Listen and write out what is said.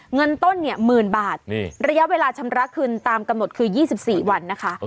เงินต้นเนี่ยหมื่นบาทระยะเวลาชำระคืนตามกำหนดคือ๒๔วันนะคะ